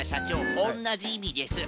おんなじいみです！